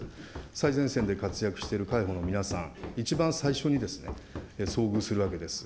最前線で活躍している海保の皆さん、一番最初に遭遇するわけです。